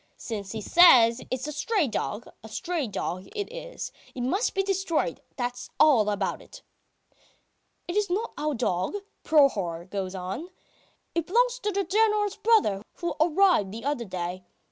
... Since he says it's a stray dog, a stray dog it is. ... It must be destroyed, that's all about it." "It is not our dog," Prohor goes on. "It belongs to the General's brother, who arrived the other day.